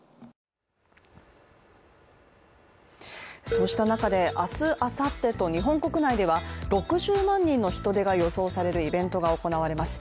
そうした中で明日、あさってと日本国内では６０万人の人出が予想されるイベントが行われます。